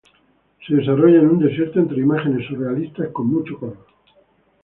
Se desarrolla en un desierto entre imágenes surrealistas con mucho color.